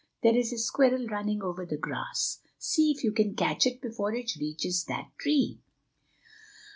there is a squirrel running over the grass; see if you can catch it before it reaches that tree."